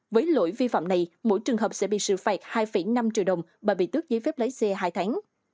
với lỗi vi phạm này mỗi trường hợp sẽ bị xử phạt hai năm triệu đồng và bị tước giấy phép lái xe hai tháng